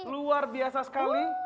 luar biasa sekali